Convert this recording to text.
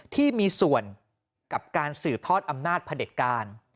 ที่มีส่วนกับการสืบทอดอำนาจพระเด็จการ